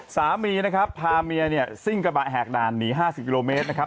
สามีนะครับพาเมียเนี้ยด้านนี้ห้าสี่กิโลเมตรนะครับ